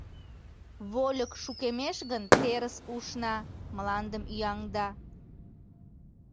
Вольык шукемеш гын, терыс ушна, мландым ӱяҥда.